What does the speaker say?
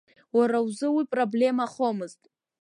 Уара узы уи проблемахомызт.